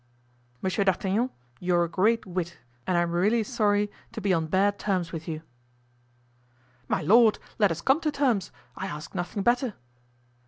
"Monsieur d'Artagnan, you are a great wit and I am really sorry to be on bad terms with you." "My lord, let us come to terms; I ask nothing better."